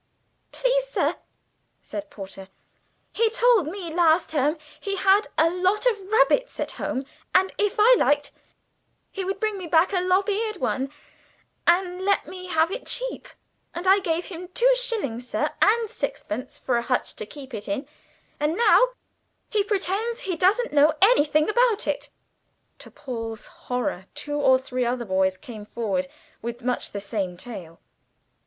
"Please, sir," said Porter, "he told me last term he had a lot of rabbits at home, and if I liked he would bring me back a lop eared one and let me have it cheap, and I gave him two shillings, sir, and sixpence for a hutch to keep it in; and now he pretends he doesn't know anything about it!" To Paul's horror two or three other boys came forward with much the same tale.